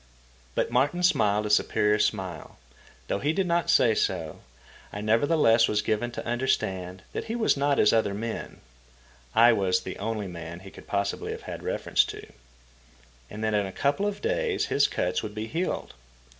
But Martin smiled a superior smile. Though he did not say so, I nevertheless was given to understand that he was not as other men (I was the only man he could possibly have had reference to), and that in a couple of days his cuts would be healed.